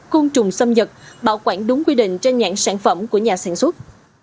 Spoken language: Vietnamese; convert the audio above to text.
côn trùng xâm nhập bảo quản đúng quy định trên nhãn sản phẩm của nhà sản xuất